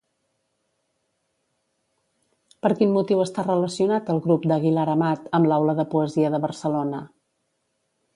Per quin motiu està relacionat el grup d'Aguilar-Amat amb l'Aula de Poesia de Barcelona?